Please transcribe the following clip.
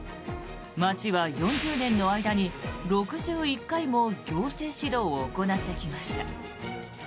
町は４０年の間に６１回も行政指導を行ってきました。